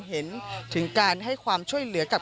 เห็นถึงการให้ความช่วยเหลือกับ